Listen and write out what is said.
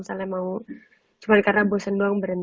dapet bukan punya other than the person